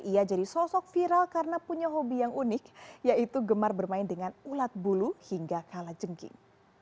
ia jadi sosok viral karena punya hobi yang unik yaitu gemar bermain dengan ulat bulu hingga kalajengking